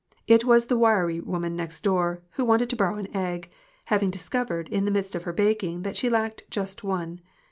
It was the wiry woman next door, who wanted to borrow an egg, having discovered, in the midst of her baking, that she lacked just one.